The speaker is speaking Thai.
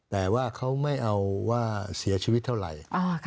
แต่ว่าเขาไม่เอาว่าเสียชีวิตเท่าไหร่